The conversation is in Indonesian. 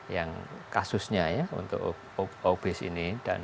yang kasusnya ya untuk obes ini